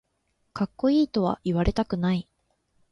かっこいいとは言われたくない